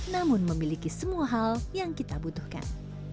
namun memiliki semua hal yang kita butuhkan